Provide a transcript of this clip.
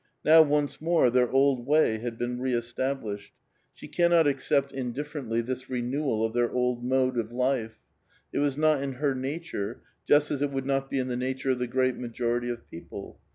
Now once more their old way had been re established. She cannot accept indifferently this renewal of their old mode of life ; it was not in her nature, just as it would not be in the nature of the great majority of people.